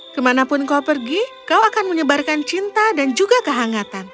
kemanapun kau pergi kau akan menyebarkan cinta dan juga kehangatan